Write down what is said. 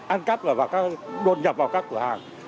an cắp và đột nhập vào các cửa hàng